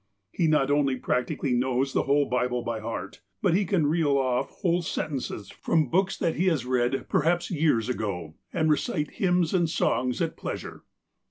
He not only practically knows the whole Bible by heart, but he can reel off whole sentences from books that he has read 3Y4 THE APOSTLE OF ALASKA perhaps years ago, and recite hymns and songs at pleas ure.